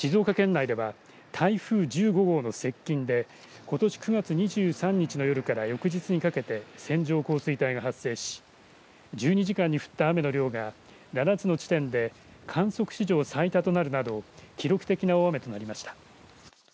静岡県内では台風１５号の接近でことし９月２３日の夜から翌日にかけて線状降水帯が発生し１２時間に降った雨の量が７つの地点で観測史上最多となるなど記録的な大雨となりました。